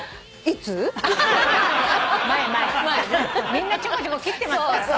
みんなちょこちょこ切ってますから。